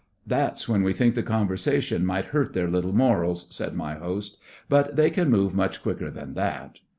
'That's when we think the conversation might hurt their little morals,' said my host. 'But they can move much quicker than that.